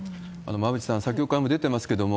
馬渕さん、先ほどからも出てますけれども、